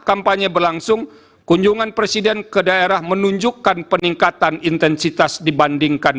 kampanye berlangsung kunjungan presiden ke daerah menunjukkan peningkatan intensitas dibandingkan